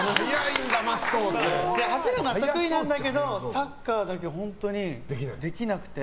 走るのは得意なんだけどサッカーだけは本当にできなくて。